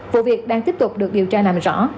vụ việc đang tiếp tục được điều tra làm rõ